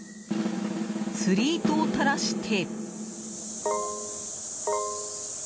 釣り糸を垂らして。